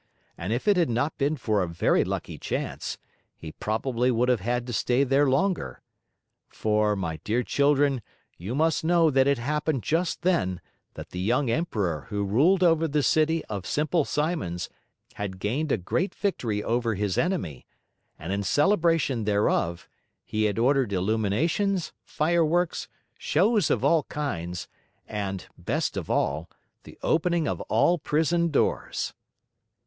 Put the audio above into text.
And if it had not been for a very lucky chance, he probably would have had to stay there longer. For, my dear children, you must know that it happened just then that the young emperor who ruled over the City of Simple Simons had gained a great victory over his enemy, and in celebration thereof, he had ordered illuminations, fireworks, shows of all kinds, and, best of all, the opening of all prison doors.